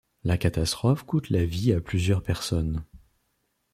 La catastrophe coûte la vie à plusieurs personnes.